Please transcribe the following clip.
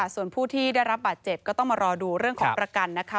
ส่วนผู้ที่ได้รับบาดเจ็บก็ต้องมารอดูเรื่องของประกันนะคะ